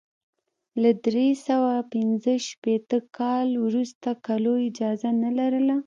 له درې سوه پنځه شپېته کال وروسته کلو اجازه نه لرله.